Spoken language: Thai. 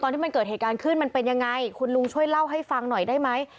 ที่มันเกิดเหตุการณ์ขึ้นมันเป็นยังไงคุณลุงช่วยเล่าให้ฟังหน่อยได้ไหม